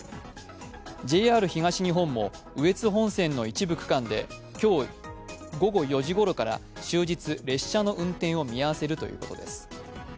ＪＲ東日本も羽越本線の一部区間で今日午後４時頃から終日列車の運転を見合わせるということです。